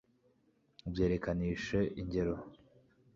byerekanisheingero